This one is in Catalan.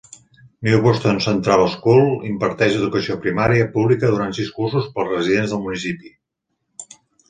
New Boston Central School imparteix educació primària pública durant sis cursos pels residents del municipi.